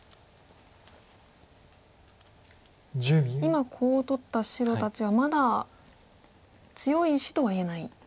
今コウを取った白たちはまだ強い石とはいえないんですか。